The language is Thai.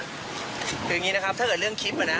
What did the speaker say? คืออย่างนี้นะครับถ้าเกิดเรื่องคลิปอะนะ